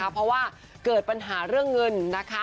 เพราะว่าเกิดปัญหาเรื่องเงินนะคะ